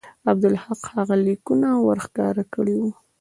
عبدالحق هغه لیکونه ورښکاره کړي وو.